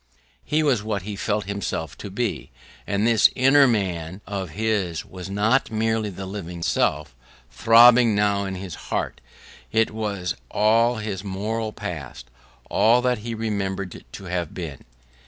He was what he felt himself to be: and this inner man of his was not merely the living self, throbbing now in his heart; it was all his moral past, all that he remembered to have been.